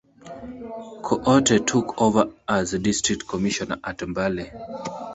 Coote took over as District Commissioner at Mbale.